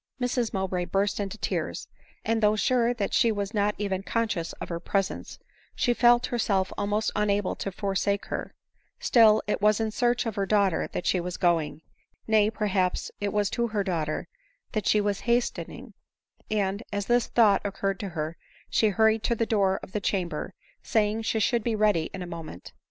Mrs Mowbray burst into tears ; and though sure that she was not even conscious of her presence, she felt her self almost unable to forsake her ;— still it was in search of her daughter that she was going — nay, perhaps, it was to her daughter that she was hastening ; and, as this thought occurred to her, she hurried to the door of the chamber, saying she should be ready in a moment.